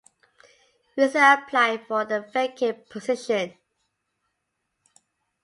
Riesser applied for the vacant position.